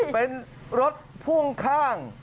เป็นรถพ่วงข้าง